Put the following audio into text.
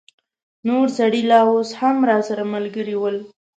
نور سړي لا اوس هم راسره ملګري ول.